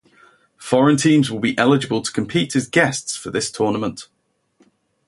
Foreign teams will be eligible to compete as guests for this tournament.